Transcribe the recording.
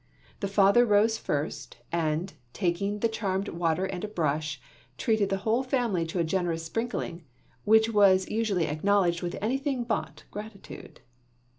The father rose first, and, taking the charmed water and a brush, treated the whole family to a generous sprinkling, which was usually acknowledged with anything but gratitude.